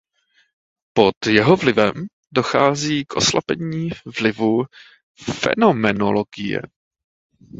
Pod jeho vlivem dochází k oslabení vlivu fenomenologie.